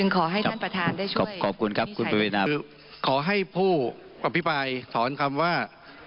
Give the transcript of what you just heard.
ขอให้ผู้อาพิปลายถอนคำว่า